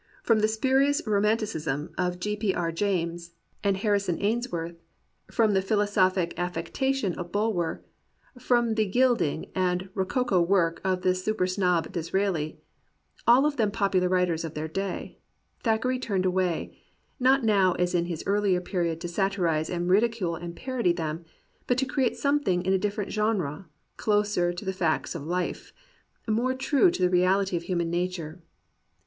From the spurious romanticism of G. P. R. James 119 COMPANIONABLE BOOKS and Harrison Ainsworth, from the philosophic af fectation of Bulwer, from the gilding and rococo work of the super snob Disraeli — all of them pop ular writers of their day — ^Thackeray turned away, not now as in his earlier period to satirize and ridi cule and parody them, but to create something in a different genre, closer to the facts of life, more true to the reality of human nature.